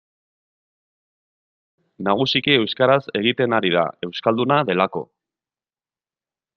Eta zorionez, nagusiki euskaraz egiten ari da, euskalduna delako.